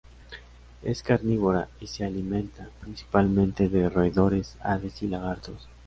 Es carnívora y se alimenta, principalmente, de roedores, aves y lagartos.